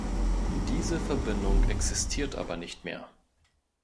Diese Verbindung existiert aber nicht mehr.